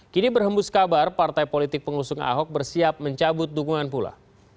kini berhembus kabar partai politik pengusung ahok bersiap mencabut dukungan pula